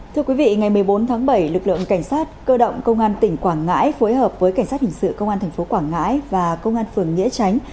thưa quý vị ngày một mươi bốn tháng bảy lực lượng cảnh sát cơ động công an tỉnh quảng ngãi phối hợp với cảnh sát hình sự công an tp quảng ngãi và công an phường nghĩa tránh